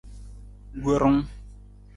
Worung.